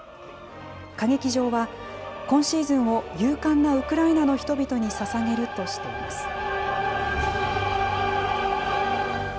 歌劇場は、今シーズンを、勇敢なウクライナの人々にささげるとしています。